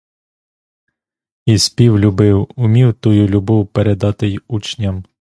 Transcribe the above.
І спів любив, умів тую любов передати й учням.